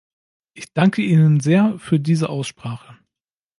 Ich danke Ihnen sehr für diese Aussprache.